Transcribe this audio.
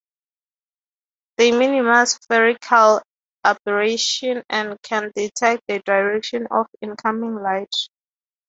They minimize spherical aberration and can detect the direction of incoming light.